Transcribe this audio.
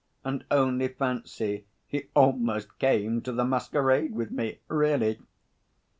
And only fancy, he almost came to the masquerade with me, really!"